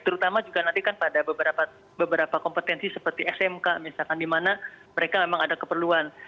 terutama juga nanti kan pada beberapa kompetensi seperti smk misalkan di mana mereka memang ada keperluan